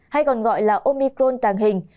hay còn gọi là omicron tàng hình